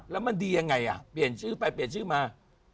แล้วมันดียังไงอ่ะเปลี่ยนชื่อไปเปลี่ยนชื่อมา